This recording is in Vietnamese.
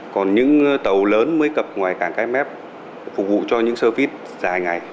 còn những tàu lớn mới cập ngoài cảng cái mép phục vụ cho những service dài ngày